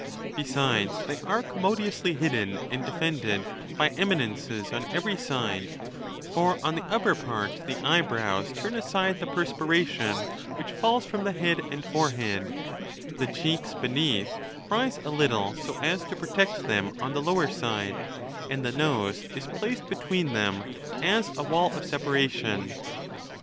Besides, they are commodiously hidden and defended by eminences on every side ; for on the upper part the eyebrows turn aside the perspii'ation which fall's from the head and foi ehead; the cheeks beneath rise a little, so as to protect them on the lower side ; and the nose is placed between them as a wnll of separation.